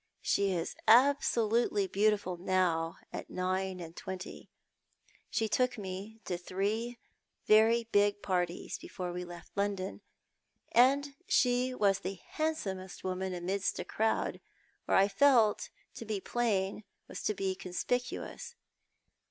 She is absolutely beautiful now at nine and twenty. She took me to three very big parties before we left London, and she was the handsomest woman amidst a crowd where I felt that to be plain was to be conspicuous.